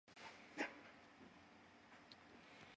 意味がわかりません。